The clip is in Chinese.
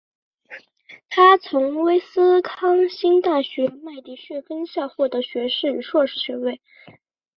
他从威斯康辛大学麦迪逊分校获得学士与硕士学位。